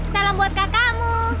salam buat kakakmu